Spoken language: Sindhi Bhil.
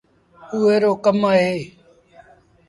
اُئي رو ڪم اهي۔